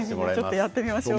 やってみましょう。